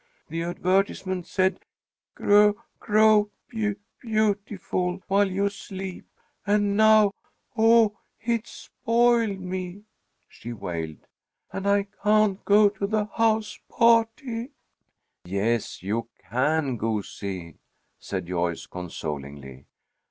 The advertisement said g grow b beautiful while you sleep, and now oh, it's spoiled me!" she wailed. "And I can't go to the house party " "Yes, you can, goosey," said Joyce, consolingly.